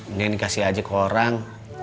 mendingan dikasih aja ke orang